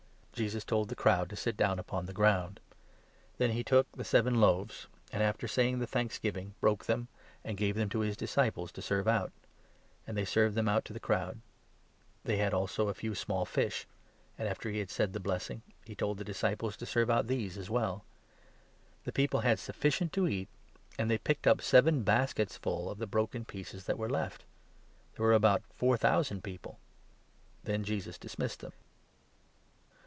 Jesus told the crowd to sit down upon the ground. Then he 6 took the seven loaves, and, after saying the thanksgiving, broke them, and gave them to his disciples to serve out ; and they served them out to the crowd. They had also a few 7 small fish ; and, after he had said the blessing, he told the disciples to serve out these as well. The people had sufficient 8 to eat, and they picked up seven baskets full of the broken pieces that were left. There were about four thousand people. 9 Then Jesus dismissed them.